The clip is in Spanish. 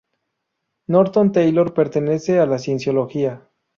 Norton Taylor pertenece a la cienciología.